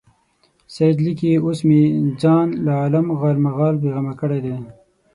سید لیکي اوس مې ځان له عالم غالمغال بېغمه کړی دی.